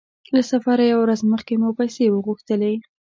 له سفره يوه ورځ مخکې مو پیسې وغوښتلې.